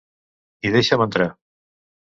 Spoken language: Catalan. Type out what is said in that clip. I deixa'm entrar.